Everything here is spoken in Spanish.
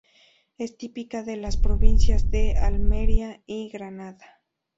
Es típica de las provincias de Almería y Granada.